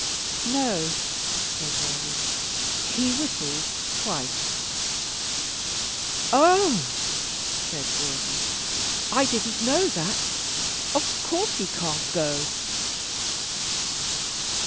"No," said Worthing, "he whistled twice." "Oh!" said Gordon, "I didn't know that. Of course, he can't go!"